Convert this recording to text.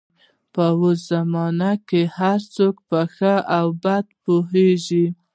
په اوس زمانه کې هر څوک په ښه او بده پوهېږي.